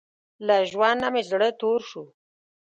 له ژوند نۀ مې زړه تور شو